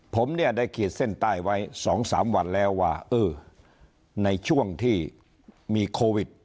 ผมเนี่ยได้ขีดเส้นใต้ไว้๒๓วันแล้วว่าเออในช่วงที่มีโควิด